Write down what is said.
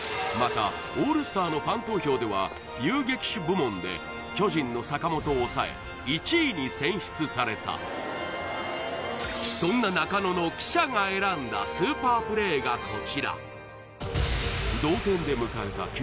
またオールスターのファン投票では遊撃手部門で巨人の坂本をおさえ１位に選出されたそんな中野の記者が選んだスーパープレーがこちら同点で迎えた